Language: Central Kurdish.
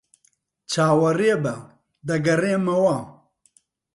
چاوەڕێبە. دەگەڕێمەوە.